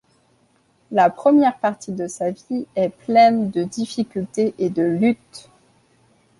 La première partie de sa vie est pleine de difficultés et de luttes.